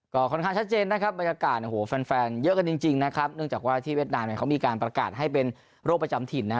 ก็ค่อนข้างชัดเจนนะครับบรรยากาศโอ้โหแฟนเยอะกันจริงนะครับเนื่องจากว่าที่เวียดนามเนี่ยเขามีการประกาศให้เป็นโรคประจำถิ่นนะฮะ